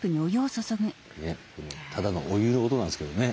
ただのお湯の音なんですけどね。